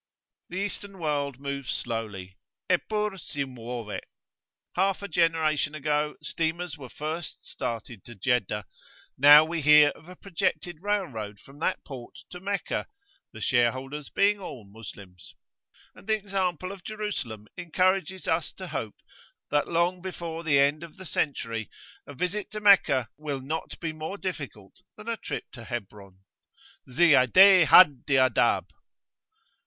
The Eastern world moves slowly eppur si muove. Half a generation ago steamers were first started to Jeddah: now we hear of a projected railroad from that port to Meccah, the shareholders being all Moslems. And the example of Jerusalem encourages us to hope that long before the end of the century a visit to Meccah will not be more difficult than a trip to Hebron. Ziyadeh hadd i adab!